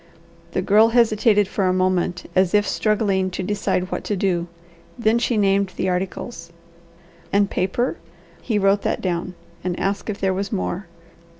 The Girl hesitated for a moment as if struggling to decide what to do; then she named the articles. "And paper?" He wrote that down, and asked if there was more.